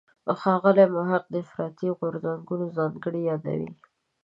ښاغلی محق د افراطي غورځنګونو ځانګړنې یادوي.